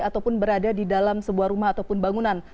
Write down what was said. ataupun berada di dalam sebuah rumah ataupun bangunan